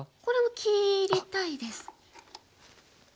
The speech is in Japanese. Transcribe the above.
これも切りたいです。